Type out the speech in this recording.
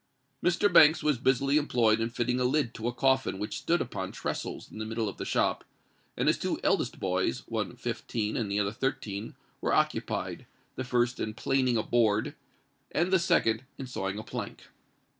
Mr. Banks was busily employed in fitting a lid to a coffin which stood upon trestles in the middle of the shop; and his two eldest boys, one fifteen and the other thirteen, were occupied, the first in planing a board, and the second in sawing a plank.